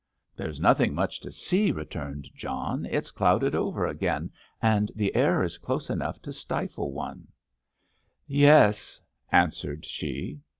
"There's nothing much to see," returned John. "It's clouded over again, and the air is close enough to stifle one!" "Yes," answered she.